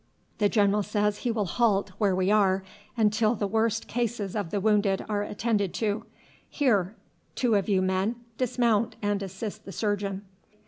The general says he will halt where we are until the worst cases of the wounded are attended to. Here, two of you men, dismount and assist the surgeon."